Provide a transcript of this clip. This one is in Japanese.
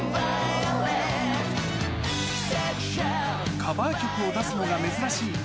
カバー曲を出すのが珍しいＢ